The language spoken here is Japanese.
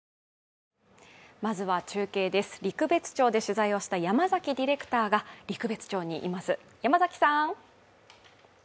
まずは中継です、陸別町で取材をした山崎ディレクターが陸別町にいます。